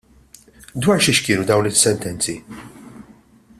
Dwar xiex kienu dawn is-sentenzi?